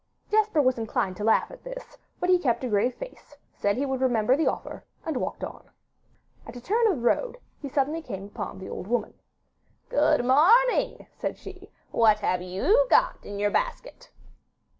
Jesper was inclined to laugh at this, but he kept a grave face, said he would remember the offer, and walked on. At a turn of the road he suddenly came upon the old woman. 'Good morning,' said she; 'what have YOU got in your basket?